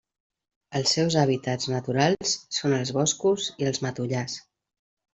Els seus hàbitats naturals són els boscos i els matollars.